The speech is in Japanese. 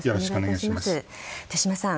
手嶋さん